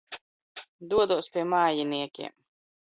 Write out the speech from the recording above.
Dodos pie mājiniekiem.